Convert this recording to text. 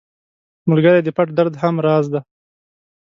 ملګری د پټ درد هم راز دی